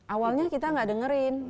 awalnya kita gak dengerin